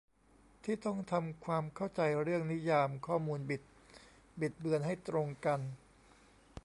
ที่ต้องทำความเข้าใจเรื่องนิยามข้อมูลบิดบิดเบือนให้ตรงกัน